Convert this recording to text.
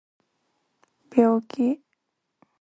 病気